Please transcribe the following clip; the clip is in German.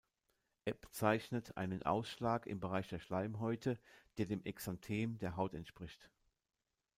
Er bezeichnet einen Ausschlag im Bereich der Schleimhäute, der dem Exanthem der Haut entspricht.